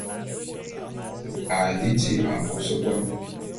À liti angôs bone.